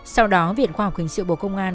sau đó viện khoa học hình sự bộ công an